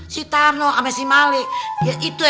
biarpun si sulam tuh